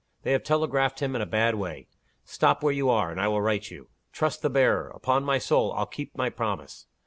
They have telegraphed him in a bad way. Stop where you are, and I will write you. Trust the bearer. Upon my soul, I'll keep my promise.